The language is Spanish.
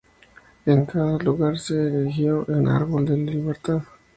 En cada lugar se erigió un "árbol de la libertad".